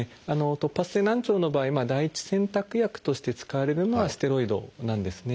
突発性難聴の場合第一選択薬として使われるのはステロイドなんですね。